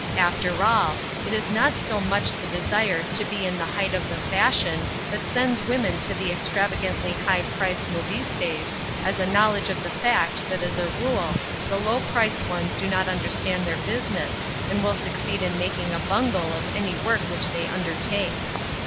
After all, it is not so much the desire to be in the height of the fashion that sends women to the extravagantly high priced modistes^ as a knowl edge of the fact that as a rule, the low priced ones do not understand their business, and will succeed in making a bungle of any work which they undertake.